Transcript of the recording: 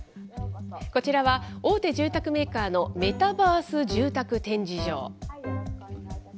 こちらは大手住宅メーカーのメタバース住宅展示場。